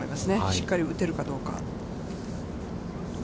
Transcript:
しっかり打てるかどうか。